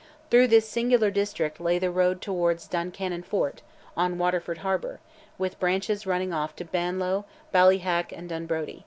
Through this singular district lay the road towards Duncannon fort, on Waterford harbour, with branches running off to Bannow, Ballyhack, and Dunbrody.